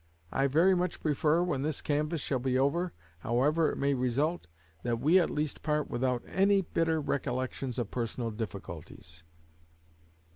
_ I very much prefer, when this canvass shall be over, however it may result, that we at least part without any bitter recollections of personal difficulties."